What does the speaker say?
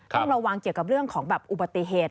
ต้องระวังเกี่ยวกับเรื่องของแบบอุบัติเหตุ